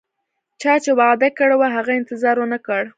چا چې وعده کړي وه، هغه انتظار ونه کړ